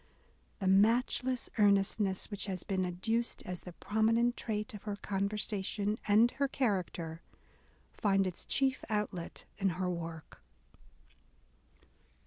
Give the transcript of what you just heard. The matchless earnestness" which has been adduced as the prominent trait of her conversation and her character, finds its chief outlet in her work.